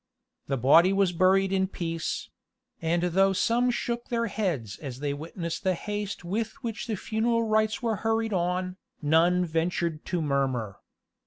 The body was buried in peace; and though some shook their heads as they witnessed the haste with which the funeral rites were hurried on, none ventured to murmur.